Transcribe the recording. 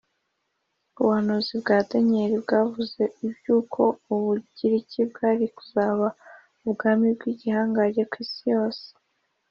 ubuhanuzi bwa Daniyeli bwavuze iby uko Ubugiriki bwari kuzaba ubwami bw igihangange ku isi hose